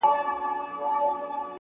ناځواني-